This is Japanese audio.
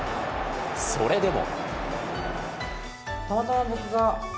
それでも。